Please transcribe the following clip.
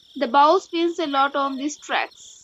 The bowl spins a lot on these tracks.